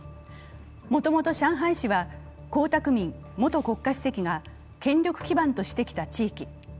もともと上海市は江沢民元国家主席が権力基盤としてきた地域。